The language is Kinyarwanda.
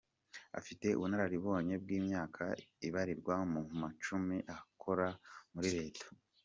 Afite ubunararibonye bw'imyaka ibarirwa mu macumi akora muri leta.